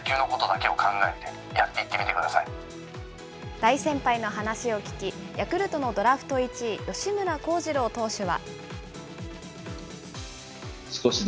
大先輩の話を聞き、ヤクルトのドラフト１位、吉村貢司郎投手は。